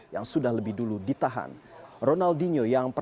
yang sudah lebih dulu ditahan